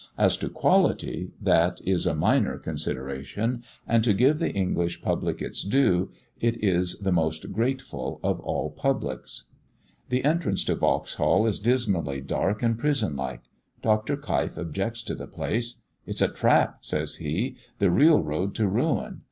As to quality, that is a minor consideration; and to give the English public its due, it is the most grateful of all publics. The entrance to Vauxhall is dismally dark and prison like. Dr. Keif objects to the place. "It's a trap," says he; "the real road to ruin!